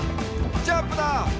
ジャンプだ！」